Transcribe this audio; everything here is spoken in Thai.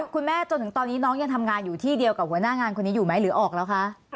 จนถึงตอนนี้น้องยังทำงานอยู่ที่เดียวกับหัวหน้างานคนนี้อยู่ไหมหรือออกแล้วคะ